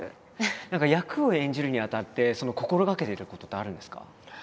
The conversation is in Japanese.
何か役を演じるにあたって心がけてることってあるんですか？